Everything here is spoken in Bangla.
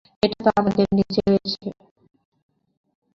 এটা আমাদের নিচে রয়েছে।